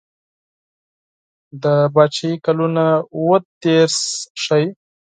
د پاچهي کلونه اووه دېرش ښيي.